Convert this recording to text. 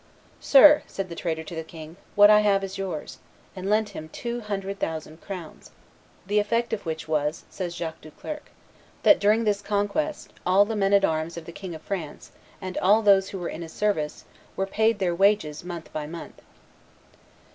"Sir," said the trader to the king, "what I have is yours," and lent him two hundred thousand crowns; "the effect of which was," says Jacques Duclercq, "that during, this conquest, all the men at arms of the King of France, and all those who were in his service, were paid their wages month by month."